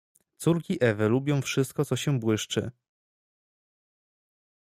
"Córki Ewy lubią wszystko co się błyszczy."